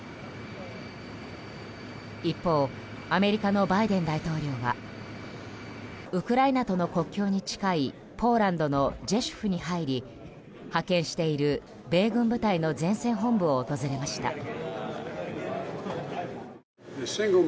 一方アメリカのバイデン大統領はウクライナとの国境に近いポーランドのジェシュフに入り派遣している米軍部隊の前線本部を訪れました。